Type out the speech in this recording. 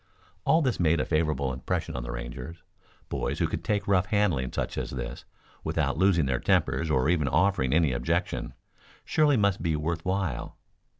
All this made a favorable impression on the Rangers. Boys who could take rough handling such as this, without losing their tempers or even offering any objection, surely must be worth while.